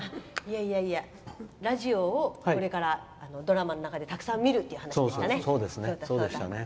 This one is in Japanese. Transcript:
いやいや、ラジオをこれからドラマの中でたくさん見るという話でしたね。